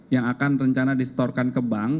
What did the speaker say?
yang akan rencana distorkan ke bank